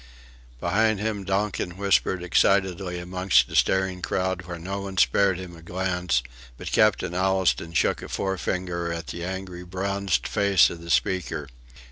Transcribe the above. Behind him Donkin whispered excitedly amongst a staring crowd where no one spared him a glance, but Captain Allistoun shook a forefinger at the angry bronzed face of the speaker.